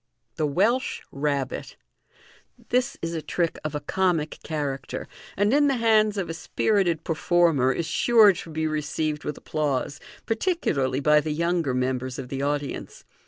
Tub Welsh Rabbit. — This is a trick of a comic character, and in the nands of a spirited performer is sure to be received with applause, particularly by the younger members of the audience.